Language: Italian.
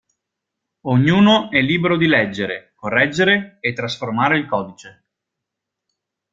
Ognuno è libero di leggere, correggere e trasformare il codice.